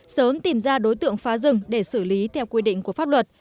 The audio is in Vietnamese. sớm tìm ra đối tượng phá rừng để xử lý theo quy định của pháp luật